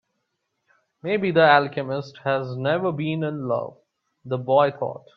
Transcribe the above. Maybe the alchemist has never been in love, the boy thought.